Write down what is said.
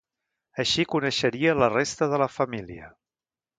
Així coneixeria la resta de la família.